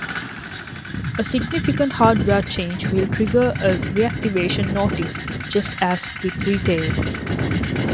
A significant hardware change will trigger a reactivation notice, just as with retail.